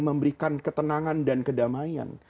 memberikan ketenangan dan kedamaian